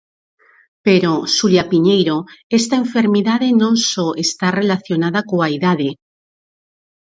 Pero, Xulia Piñeiro, esta enfermidade non só está relacionada coa idade.